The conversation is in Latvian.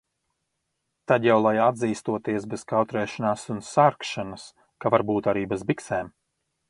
Tad jau lai atzīstoties bez kautrēšanās un sarkšanas, ka varbūt arī bez biksēm.